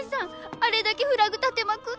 あれだけフラグ立てまくってるのに！